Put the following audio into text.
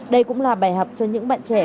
đây cũng là bài học cho những bạn trẻ